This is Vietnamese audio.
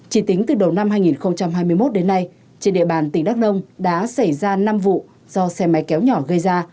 chỉ tính từ đầu năm hai nghìn hai mươi một đến nay trên địa bàn tỉnh đắk nông đã xảy ra năm vụ do xe máy kéo nhỏ gây ra